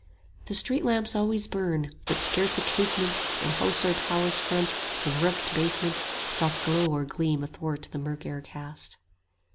The street lamps always burn; but scarce a casement 40 In house or palace front from roof to basement Doth glow or gleam athwart the mirk air cast.